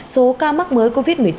số ca mắc mới covid một mươi chín